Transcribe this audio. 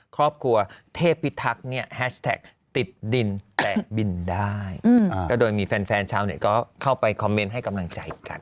ก็จะเจอมีแฟนชาวเข้าไปคอมเม้นต์ให้กำลังใจกัน